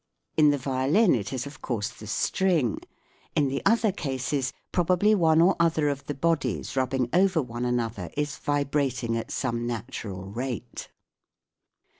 In the violin it is of course the string ; in the other cases, probably one or other of the bodies rubbing over one another is vibrating at some natural rate.